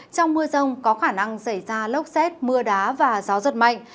trong mưa rông có khả năng xảy ra lốc xét mưa đá và gió giật mạnh